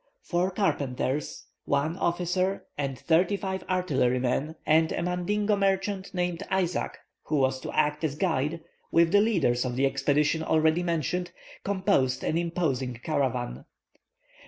Four carpenters, one officer and thirty five artillery men, and a Mandingo merchant named Isaac, who was to act as guide, with the leaders of the expedition already mentioned, composed an imposing caravan.